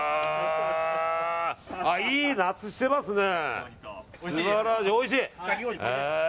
いい夏してますね。